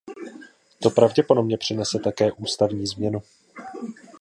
To pravděpodobně přinese také ústavní změnu.